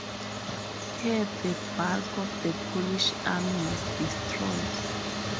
Here the bulk of the Polish army was destroyed.